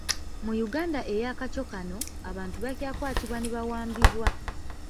Mu Uganda eya kaco kano, abantu bakyakwatibwa ne bawambibwa.